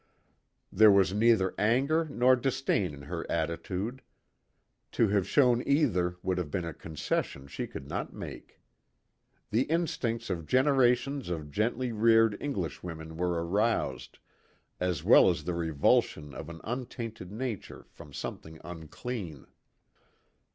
There was neither anger nor disdain in her attitude; to have shown either would have been a concession she could not make. The instincts of generations of gently reared Englishwomen were aroused, as well as the revulsion of an untainted nature from something unclean.